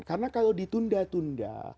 karena kalau ditunda tunda